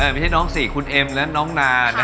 ไม่ใช่น้อง๔คุณเอ็มและน้องนา